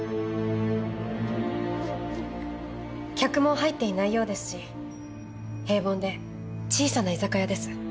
客も入っていないようですし平凡で小さな居酒屋です。